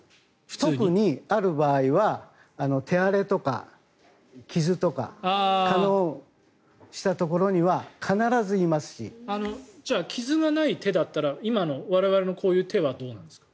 特にある場合は手荒れとか傷とか化膿したところにはじゃあ傷がない手だったら今の我々のこういう手はどうなんですか？